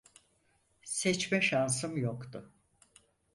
Seçme şansım yoktu.